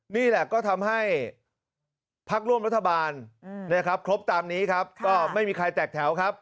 นี่แหละก็ทำให้พักร่วมรัฐบาลนะครับครบตามนี้ครับก็ไม่มีใครแตกแถวครับ